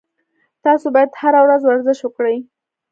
تاسو باید هر ورځ ورزش وکړئ